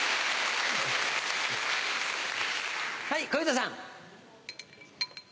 はい小遊三さん。